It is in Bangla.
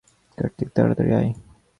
কার্তিক তাড়াতাড়ি আয়!